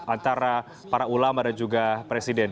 antara para ulama dan juga presiden